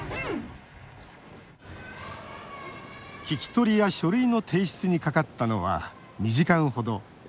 聞き取りや書類の提出にかかったのは２時間ほど。